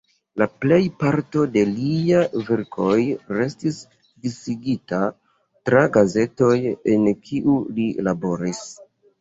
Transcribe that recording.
La plej parto de liaj verkoj restis disigita tra gazetoj en kiuj li laboris.